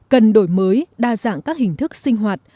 cần đổi mới đa dạng các hình thức sinh hoạt